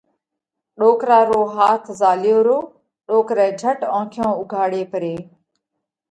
ڏوڪرا رو هاٿ زهاليو رو، ڏوڪرئہ جھٽ اونکيون اُوگھاڙي پري